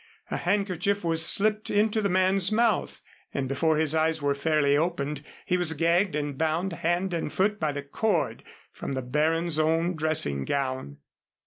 A handkerchief was slipped into the man's mouth, and before his eyes were fairly opened he was gagged and bound hand and foot by the cord from the baron's own dressing gown.